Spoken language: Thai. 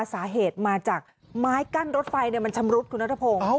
สาเหตุมาจากไม้กั้นรถไฟมันชำรุดคุณนัทพงศ์